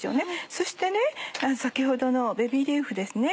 そして先ほどのベビーリーフですね。